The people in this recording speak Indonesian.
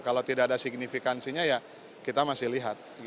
kalau tidak ada signifikansinya ya kita masih lihat